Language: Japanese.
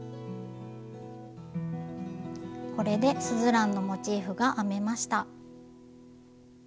これでスズランのモチーフが編めました。